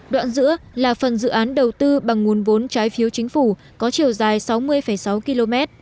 đoạn giữa là phần dự án đầu tư bằng nguồn vốn trái phiếu chính phủ có chiều dài sáu mươi sáu km